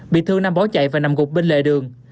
bị thương nam bỏ chạy và nằm gục bên lề đường